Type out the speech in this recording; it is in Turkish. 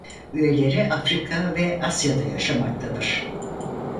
Üyeleri Afrika ve Asya'da yaşamaktadır.